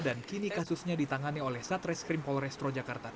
dan kini kasusnya ditangani oleh satreskrim polrestro